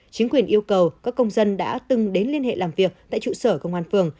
chính quyền yêu cầu các công dân đã từng đến liên hệ làm việc tại trụ sở công an phường